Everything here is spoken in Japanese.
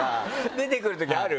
出てくるときある？